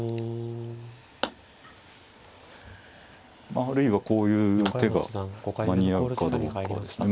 まああるいはこういう手が間に合うかどうかですね。